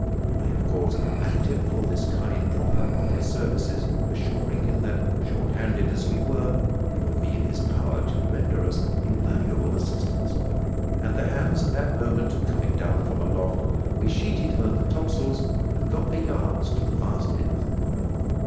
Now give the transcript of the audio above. I, of course, thanked him for this kind proffer of his services, assuring him that, short handed as we were, it would be in his power to render us invaluable assistance; and, the hands at that moment coming down from aloft, we sheeted home the topsails, and got the yards to the mastheads.